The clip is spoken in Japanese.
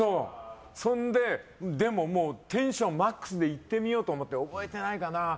それで、でもテンションマックスで行ってみようと思って覚えてないかな。